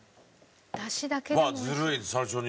ずるい最初に。